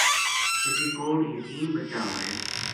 کِسے کوڑ یتیم بچا ہوے